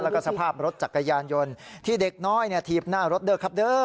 แล้วก็สภาพรถจักรยานยนต์ที่เด็กน้อยถีบหน้ารถเด้อครับเด้อ